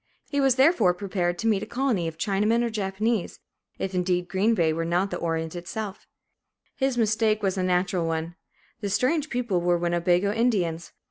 He was therefore prepared to meet here a colony of Chinamen or Japanese, if indeed Green Bay were not the Orient itself. His mistake was a natural one. The "strange people" were Winnebago Indians.